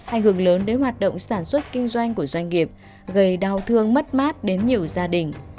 ảnh hưởng lớn đến hoạt động sản xuất kinh doanh của doanh nghiệp gây đau thương mất mát đến nhiều gia đình